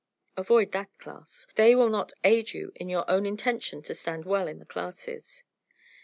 Avoid that class. They will not aid you in your own intention to stand well in the classes.